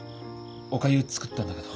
おかゆ作ったんだけど。